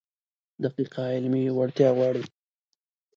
دقیقه علمي وړتیا غواړي.